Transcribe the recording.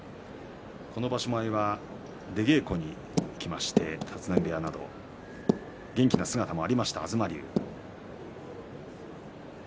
場所前は出稽古に行きまして立浪部屋など元気な姿もありました東龍。